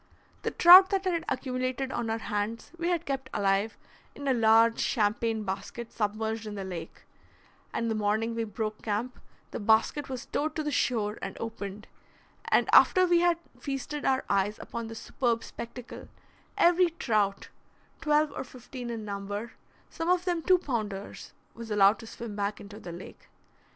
The trout that had accumulated on our hands we had kept alive in a large champagne basket submerged in the lake, and the morning we broke camp the basket was towed to the shore and opened; and after we had feasted our eyes upon the superb spectacle, every trout, twelve or fifteen in number, some of them two pounders, was allowed to swim back into the lake.